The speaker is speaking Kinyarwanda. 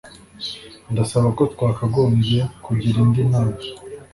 Ndasaba ko twakagombye kugira indi nama